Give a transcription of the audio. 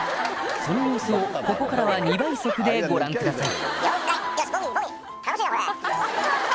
その様子をここからは２倍速でご覧ください